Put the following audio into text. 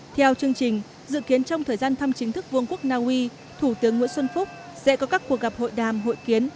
theo chương trình dự kiến trong thời gian thăm chính thức vương quốc naui thủ tướng nguyễn xuân phúc sẽ có các cuộc gặp hội đàm hội kiến